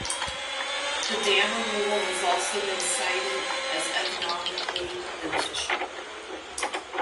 The dam removal has also been cited as economically beneficial.